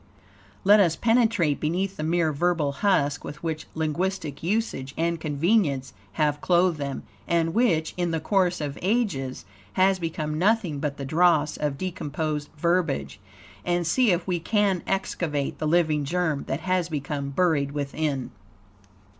Let us penetrate beneath the mere verbal husk with which linguistic usage and convenience have clothed them, and which, in the course of ages, has become nothing but the dross of decomposed verbiage, and see if we can excavate the living germ, that has become buried within.